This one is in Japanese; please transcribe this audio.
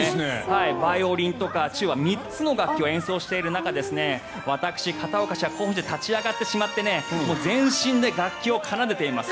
バイオリンとかチューバなど３つの楽器を演奏している中私、片岡、立ち上がってしまって全身で楽器を奏でています。